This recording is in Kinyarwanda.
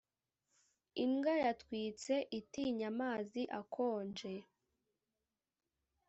imbwa yatwitse itinya amazi akonje.